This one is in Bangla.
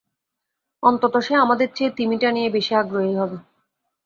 অন্তত সে আমাদের চেয়ে তিমিটা নিয়ে বেশি আগ্রহী হবে।